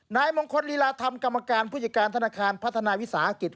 นายมงคลลีลาธรรมกรรมการผู้จัดการธนาคารพัฒนาวิสาหกิจ